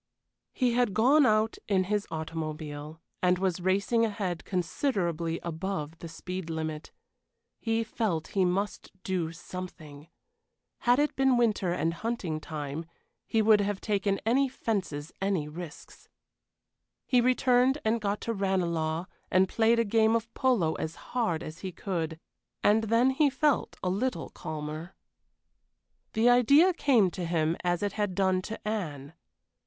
He had gone out in his automobile, and was racing ahead considerably above the speed limit. He felt he must do something. Had it been winter and hunting time, he would have taken any fences any risks. He returned and got to Ranelagh, and played a game of polo as hard as he could, and then he felt a little calmer. The idea came to him as it had done to Anne.